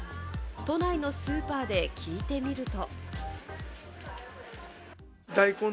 都内のスーパーで聞いてみると。